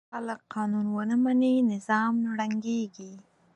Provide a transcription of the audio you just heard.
که خلک قانون ونه مني، نظام ړنګېږي.